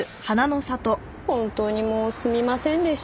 本当にもうすみませんでした。